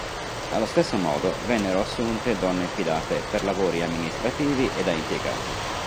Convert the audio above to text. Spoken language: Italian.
Allo stesso modo vennero assunte donne fidate per lavori amministrativi e da impiegate.